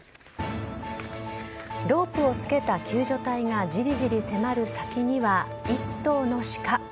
ロープをつけた救助隊がじりじり迫る先には、１頭のシカ。